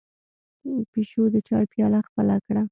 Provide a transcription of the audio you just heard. پيشو د چای پياله خپله کړه.